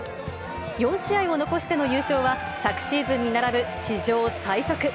４試合を残しての優勝は、昨シーズンに並ぶ史上最速。